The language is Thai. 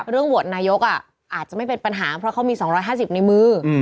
โหวตนายกอาจจะไม่เป็นปัญหาเพราะเขามี๒๕๐ในมือ